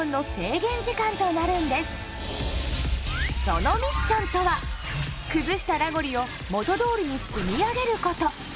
そのミッションとは崩したラゴリを元どおりに積み上げること。